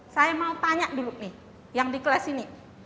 saya mau tanya dulu nih yang di kelas ini